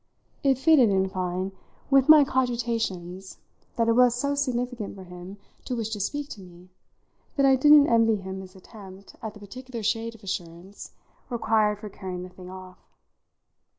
It fitted, in fine, with my cogitations that it was so significant for him to wish to speak to me that I didn't envy him his attempt at the particular shade of assurance required for carrying the thing off.